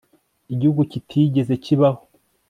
Igihugu kitigeze kibaho